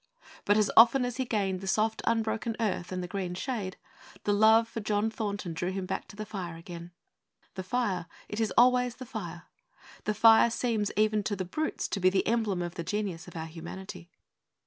But as often as he gained the soft unbroken earth and the green shade, the love for John Thornton drew him back to the fire again.' The fire; it is always the fire. The fire seems, even to the brutes, to be the emblem of the genius of our humanity.